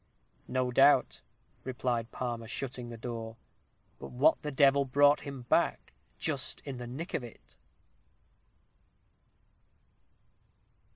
"No doubt," replied Palmer, shutting the door. "But what the devil brought him back, just in the nick of it?"